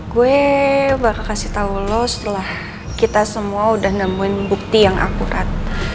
gue bakal kasih tau lo setelah kita semua udah nemuin bukti yang akurat